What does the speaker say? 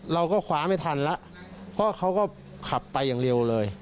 เราก็คว้าไม่ทันแล้วเพราะเขาก็ขับไปอย่างเร็วเลย